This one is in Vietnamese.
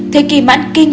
thời kỳ mãn kinh